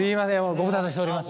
ご無沙汰しております。